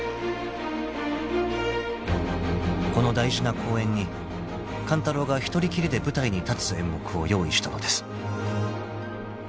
［この大事な公演に勘太郎が一人きりで舞台に立つ演目を用意したのです］